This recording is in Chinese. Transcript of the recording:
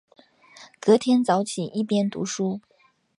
隔天早起一边读书